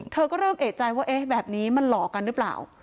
เพิ่มเอกใจว่าแบบนี้มันหลอกันหรือเปล่า